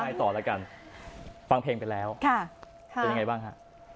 คุณอายต่อแล้วกันฟังเพลงกันแล้วค่ะค่ะเป็นยังไงบ้างค่ะ